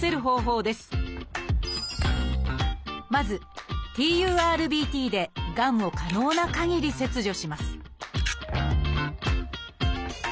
まずＴＵＲＢＴでがんを可能なかぎり切除します